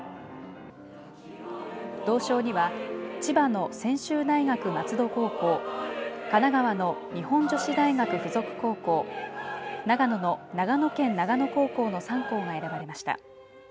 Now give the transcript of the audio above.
銅賞には、千葉の専修大学松戸高校、神奈川の日本女子大学附属高校、長野の長野県長野高校の３校が選ばれました。